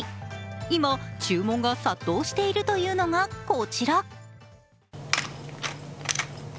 今、注文が殺到しているというのが、こちら。